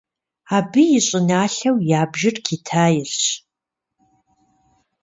Абы и щӏыналъэу ябжыр Китайрщ.